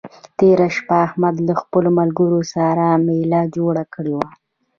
تېره شپه احمد له خپلو ملګرو سره مېله جوړه کړې وه.